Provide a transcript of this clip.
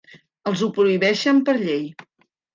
Els ho prohibeixen per llei.